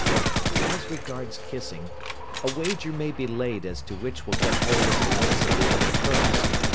As regards kissing, a wager may be laid as to which will get hold of the lips of the other first.